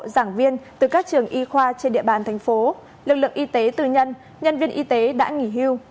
giảng viên từ các trường y khoa trên địa bàn thành phố lực lượng y tế tư nhân nhân viên y tế đã nghỉ hưu